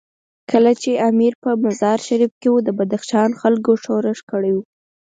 کله چې امیر په مزار شریف کې وو، د بدخشان خلکو ښورښ کړی وو.